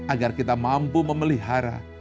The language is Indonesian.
agar kita mampu memelihara